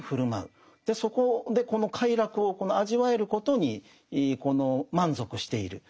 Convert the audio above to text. そこでこの快楽を味わえることに満足している。